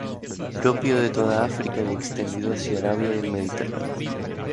Propio de toda África y extendido hacia Arabia y el Mediterráneo.